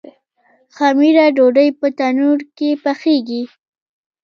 خمیره ډوډۍ په تندور کې پخیږي.